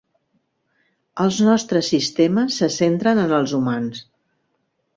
Els nostres sistemes se centren en els humans.